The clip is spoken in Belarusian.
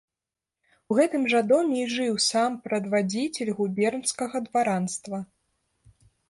У гэтым жа доме і жыў сам прадвадзіцель губернскага дваранства.